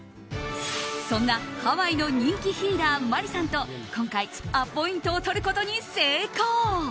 そんなハワイの人気ヒーラーＭＡＲＩさんと今回、アポイントを取ることに成功！